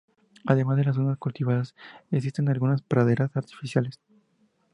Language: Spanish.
Además de las zonas cultivadas existen algunas praderas artificiales.